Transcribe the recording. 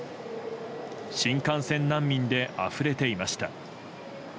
新幹線難民であふれていました。